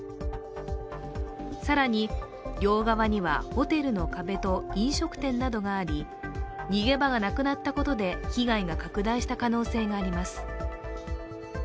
更に、両側にはホテルの壁と飲食店などがあり、逃げ場がなくなったことで被害が拡大した可能性があります。